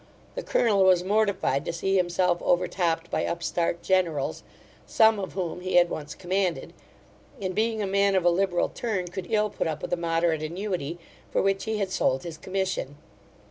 The colonel was mortified to see himself over topped by upstart generals, some of whom he had once commanded; and, being a man of a liberal turn, could ill put up with a moderate annuity, for which he had sold his commission.